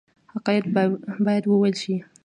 حقایق باید وویل شي